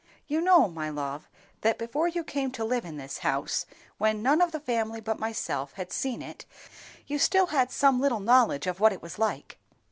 "You know, my love, that before you came to live in this house, when none of the family but myself had seen it, you still had some little knowledge of what it was like."